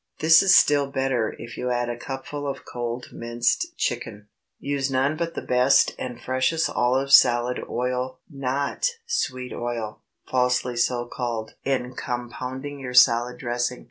This is still better if you add a cupful of cold minced chicken. Use none but the best and freshest olive salad oil (not sweet oil, falsely so called) in compounding your salad dressing.